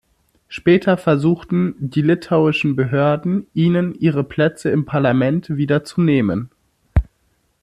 Später versuchten die litauischen Behörden, ihnen ihre Plätze im Parlament wieder zu nehmen.